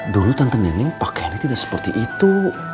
dulu tante neneng pakaiannya tidak seperti itu